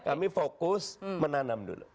kami fokus menanam dulu